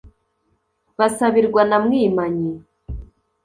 basabirwa na mwimanyi,